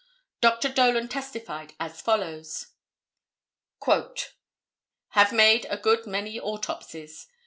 Dr. Dolan testified as follows: "Have made a good many autopsies.